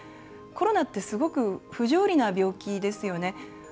コロナってすごく不条理な病気ですよね。